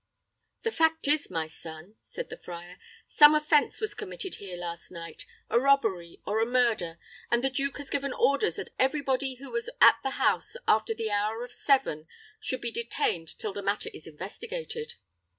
"The fact is, my son," said the friar, "some offense was committed here last night, a robbery or a murder; and the duke has given orders that every body who was at the house after the hour of seven should be detained till the matter is investigated."